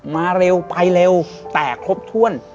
มาเร็วไปเร็วแต่ครบถ้วน